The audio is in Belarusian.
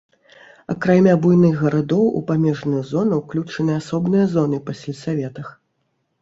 Акрамя буйных гарадоў у памежную зону ўключаны асобныя зоны па сельсаветах.